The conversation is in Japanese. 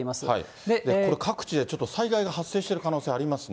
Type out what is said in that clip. これ、各地で災害が発生している可能性がありますね。